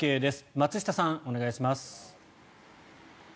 松下さん、お願いします。